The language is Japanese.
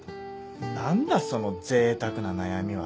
何だそのぜいたくな悩みは。